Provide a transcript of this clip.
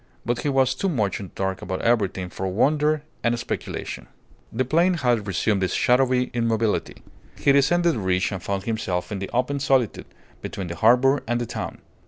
But he was too much in the dark about everything for wonder and speculation. The plain had resumed its shadowy immobility. He descended the ridge and found himself in the open solitude, between the harbour and the town.